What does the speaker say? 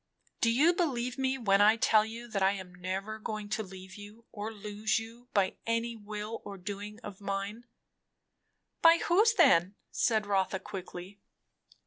"You believe me when I tell you, that I am never going to leave you or lose you by any will or doing of mine " "By whose then?" said Rotha quickly.